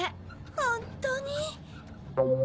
ホントに。